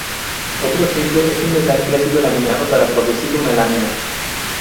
Otro ejemplo es un metal que ha sido laminado para producir una lámina.